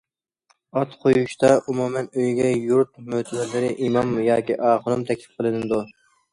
ئات قويۇشتا ئومۇمەن ئۆيگە يۇرت مۆتىۋەرلىرى، ئىمام ياكى ئاخۇنۇم تەكلىپ قىلىنىدۇ.